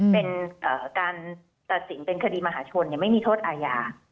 เป็นการตัดสินเป็นคดีมหาชนยังไม่มีโทษอาญา